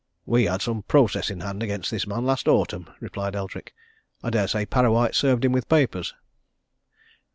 "We had some process in hand against this man last autumn," replied Eldrick. "I dare say Parrawhite served him with papers."